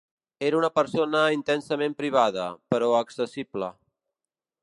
Era una persona intensament privada, però accessible.